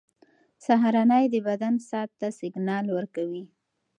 سهارنۍ د بدن ساعت ته سیګنال ورکوي.